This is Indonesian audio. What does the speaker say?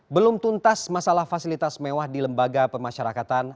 belum tuntas masalah fasilitas mewah di lembaga pemasyarakatan